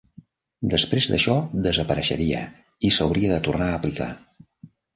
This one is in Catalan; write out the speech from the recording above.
Després d'això desapareixeria i s'hauria de tornar a aplicar.